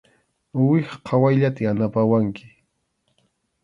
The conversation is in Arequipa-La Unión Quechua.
Uwiha qhawayllata yanapawanki.